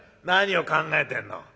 何を考えてんの。